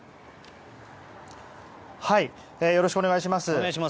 よろしくお願いします。